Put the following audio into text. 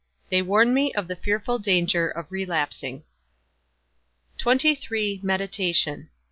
They warn me of the fearful danger of relapsing. XXIII. MEDITATION.